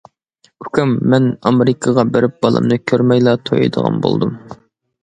-ئۇكام مەن ئامېرىكىغا بېرىپ بالامنى كۆرمەيلا تويىدىغان بولدۇم.